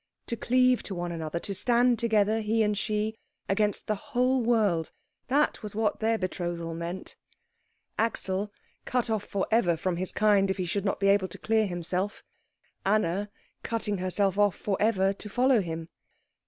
To cleave to one another, to stand together, he and she, against the whole world, that was what their betrothal meant. Axel, cut off for ever from his kind if he should not be able to clear himself, Anna, cutting herself off for ever to follow him.